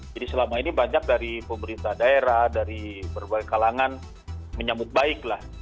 jadi selama ini banyak dari pemerintah daerah dari berbagai kalangan menyambut baik lah